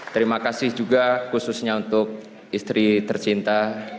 terima kasih juga khususnya untuk istri tercinta